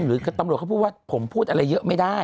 หรือตำรวจเขาพูดว่าผมพูดอะไรเยอะไม่ได้